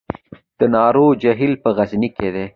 د ناور جهیل په غزني کې دی